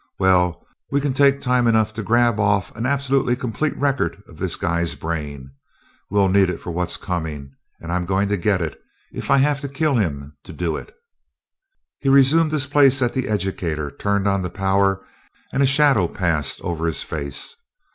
Well, we can take time enough to grab off an absolutely complete record of this guy's brain. We'll need it for what's coming, and I'm going to get it, if I have to kill him to do it." He resumed his place at the educator, turned on the power, and a shadow passed over his face.